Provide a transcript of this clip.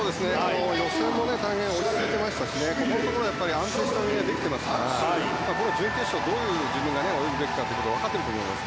予選も大変、落ち着いていましたしここのところ安定した泳ぎができていますからこの準決勝自分がどう泳ぐべきかは分かっていると思います。